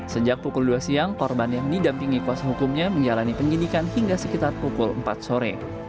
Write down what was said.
sejak pukul dua siang korban yang didampingi kuasa hukumnya menjalani penyidikan hingga sekitar pukul empat sore